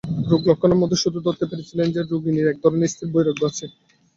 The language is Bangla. রোগলক্ষণের মধ্যে শুধু ধরতে পেরেছিলেন যে, রোগিণীর একধরনের স্থির বৈরাগ্য আছে।